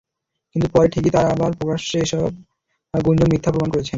কিন্তু পরে ঠিকই তাঁরা আবার প্রকাশ্যে এসে সেসব গুঞ্জন মিথ্যা প্রমাণ করেছেন।